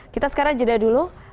kita sekarang jeda dulu